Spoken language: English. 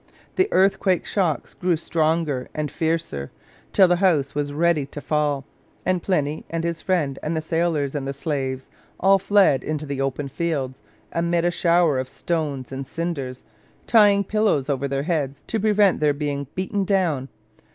The earthquake shocks grew stronger and fiercer, till the house was ready to fall; and Pliny and his friend, and the sailors and the slaves, all fled into the open fields, amid a shower of stones and cinders, tying pillows over their heads to prevent their being beaten down.